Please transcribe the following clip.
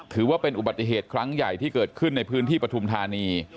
ถือว่าเป็นอุบัติเหตุครั้งใหญ่ที่เกิดขึ้นในพื้นที่ปฐุมธานี